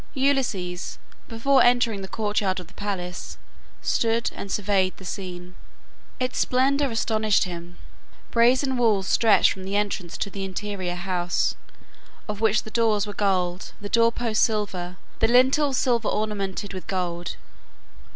Ulysses, before entering the courtyard of the palace, stood and surveyed the scene. Its splendor astonished him. Brazen walls stretched from the entrance to the interior house, of which the doors were gold, the doorposts silver, the lintels silver ornamented with gold.